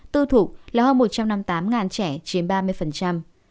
tư thụ là hơn một trăm năm mươi tám trẻ chiếm ba mươi